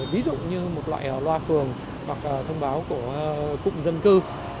ví dụ như một loại loa cường hoặc thông báo của cụm dân cư